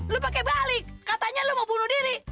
lo pakai balik katanya lo mau bunuh diri